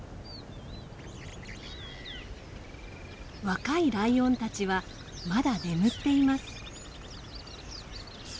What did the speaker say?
若いライオンたちはまだ眠っています。